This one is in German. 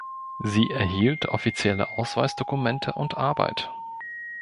Sie erhielt offizielle Ausweisdokumente und Arbeit.